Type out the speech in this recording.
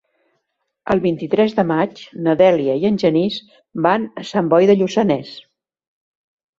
El vint-i-tres de maig na Dèlia i en Genís van a Sant Boi de Lluçanès.